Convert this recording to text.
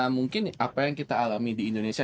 mungkin apa yang kita alami di indonesia